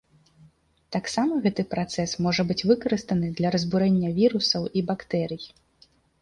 Таксама гэты працэс можа быць выкарыстаны для разбурэння вірусаў і бактэрый.